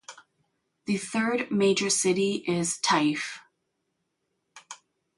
The third major city is Taif.